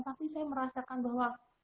tapi saya merasakan bahwa